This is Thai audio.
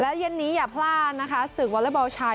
และเย็นนี้อย่าพลาดนะคะศึกวอเล็กบอลชาย